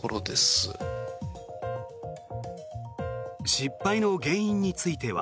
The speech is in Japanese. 失敗の原因については。